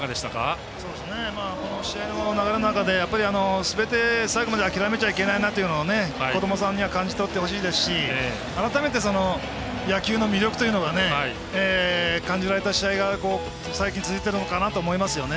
この試合の流れの中ですべて、最後まで諦めちゃいけないなというのをこどもさんには感じとってほしいですし改めて、野球の魅力というのを感じられた試合が、最近続いてるのかなと思いますね。